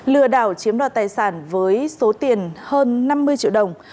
lừa đảo chiếm đoạt tài sản với số tiền hơn năm mươi triệu đồng